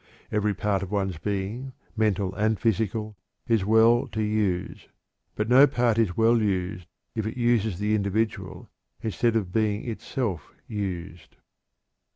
Every part of one's being, mental and physical, is well to use; but no part is well used if it uses the individual instead of being itself used.